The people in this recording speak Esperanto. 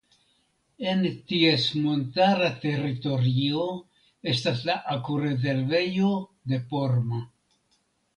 En ties montara teritorio estas la Akvorezervejo de Porma.